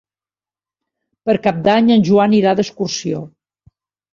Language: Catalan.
Per Cap d'Any en Joan irà d'excursió.